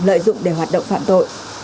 lợi dụng để hoạt động phạm tội